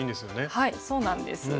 はいそうなんです。